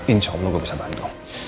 insya allah gue bisa bantu